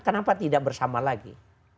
kenapa tidak bersama lagi